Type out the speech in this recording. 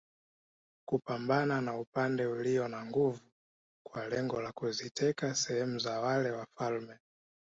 Kupambana na upande ulio na nguvu kwa lengo la kuziteka sehemu za wale wafalme